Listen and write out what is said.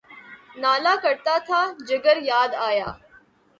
نالہ کرتا تھا، جگر یاد آیا